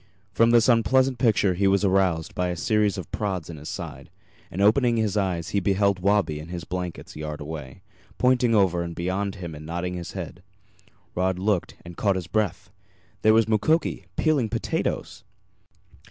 From this unpleasant picture he was aroused by a series of prods in his side, and opening his eyes he beheld Wabi in his blankets a yard away, pointing over and beyond him and nodding his head. Rod looked, and caught his breath. There was Mukoki peeling potatoes!